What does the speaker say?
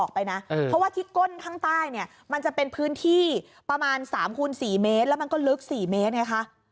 ข้างใต้มันจะเป็นพื้นที่ประมาณ๓คูณ๔เมตรแล้วมันก็ลึก๔เมตร